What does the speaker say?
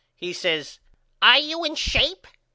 He says Are you in shape?